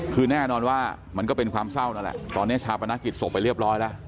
คือแน่นอนว่ามันก็เป็นความเศร้านั่นแหละตอนนี้ชาปนกิจศพไปเรียบร้อยแล้ว